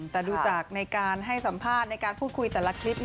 แต่ดูจากในการให้สัมภาษณ์ในการพูดคุยแต่ละคลิป